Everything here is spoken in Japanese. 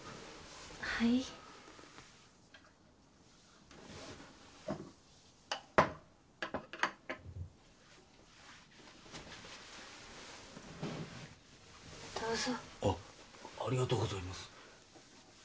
はいどうぞあッありがとうございます